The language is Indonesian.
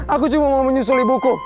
aku cuma mau menyusul ibuku